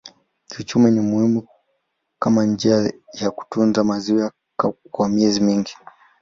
Kiuchumi ni muhimu kama njia ya kutunza maziwa kwa miezi mingi.